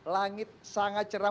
sangit sangat cerah